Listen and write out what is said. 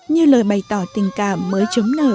như lời bày tỏ tình cảm mới chấm nở